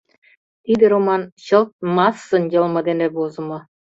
Тиде роман чылт массын йылме дене возымо.